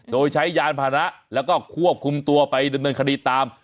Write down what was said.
โดยใช้ยานพานะแล้วก็ควบคุมตัวไปดำเนินคดีตาม